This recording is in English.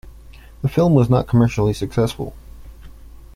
The film was not commercially successful.